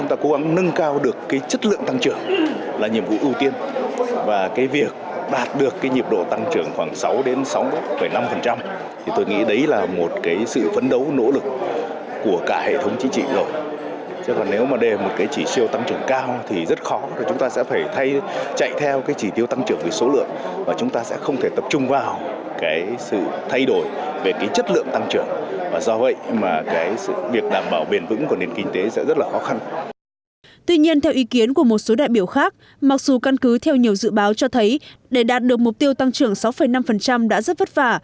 tuy nhiên theo ý kiến của một số đại biểu khác mặc dù căn cứ theo nhiều dự báo cho thấy để đạt được mục tiêu tăng trưởng sáu năm đã rất vất vả